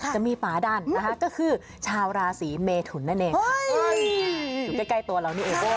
จะมีปาดันยังไงฮะ